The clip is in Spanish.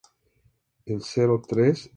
Generalmente toman una hora y media, dos horas.